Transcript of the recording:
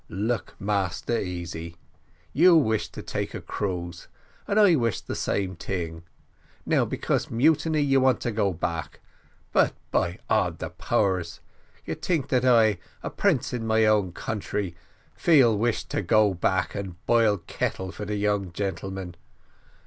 "Look, Massa Easy, you wish take a cruise, and I wish the same ting: now because mutiny you want to go back but, by all de powers, you tink that I, a prince in my own country, feel wish to go back and boil kettle for de young gentlemen.